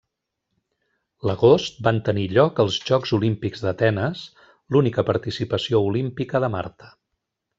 L'agost van tenir lloc els Jocs Olímpics d'Atenes, l'única participació olímpica de Marta.